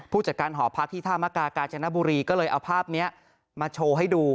ผู้จัดการหอพักที่ท่ามกากาญจนบุรีก็เลยเอาภาพนี้มาโชว์ให้ดู